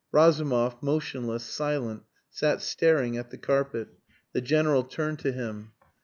Razumov, motionless, silent, sat staring at the carpet. The General turned to him.